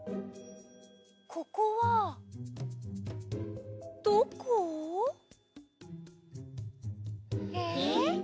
ここはどこ？へ？